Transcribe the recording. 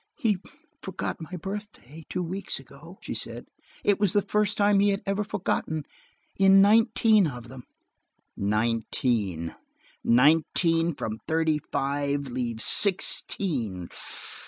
"He forgot my birthday, two weeks ago," she said. "It was the first one he had ever forgotten, in nineteen of them." Nineteen! Nineteen from thirty five leaves sixteen!